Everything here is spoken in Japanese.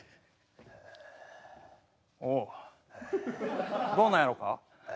おおどうなんやろか？